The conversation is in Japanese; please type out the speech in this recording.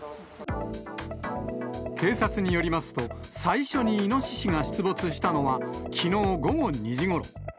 警察によりますと、最初にイノシシが出没したのは、きのう午後２時ごろ。